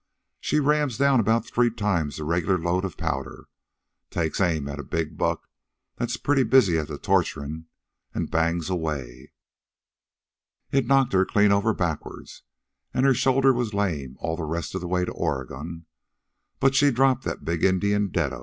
She rams down about three times the regular load of powder, takes aim at a big buck that's pretty busy at the torturin', an' bangs away. It knocked her clean over backward, an' her shoulder was lame all the rest of the way to Oregon, but she dropped the big Indian deado.